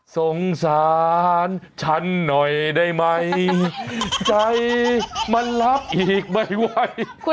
สงสารฉันหน่อยได้ไหมใจมันรับอีกไม่ไหว